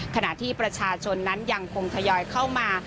ขณะที่ประชาชนนั้นยังคงทยอยเข้ามา